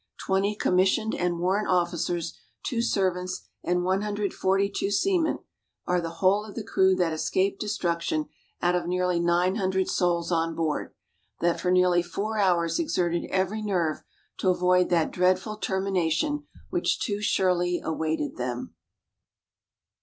Twenty commissioned and warrant officers, two servants and 142 seamen, are the whole of the crew that escaped destruction out of nearly 900 souls on board, that for nearly four hours exerted every nerve to avoid that dreadful termination which too surely awaited them.